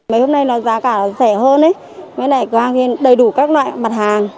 mấy hôm nay giá cả rẻ hơn đầy đủ các loại mặt hàng